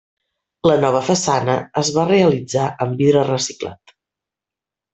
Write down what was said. La nova façana es va realitzar amb vidre reciclat.